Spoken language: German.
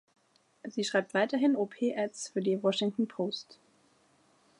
Sie schreibt weiterhin Op-Eds für die Washington Post.